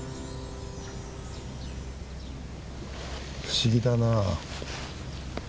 不思議だなあ。